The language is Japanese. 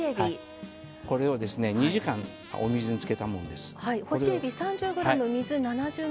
これを２時間お水につけたもんです。